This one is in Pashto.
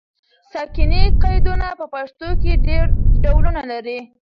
ساکني قیدونه په پښتو کې ډېر ډولونه لري.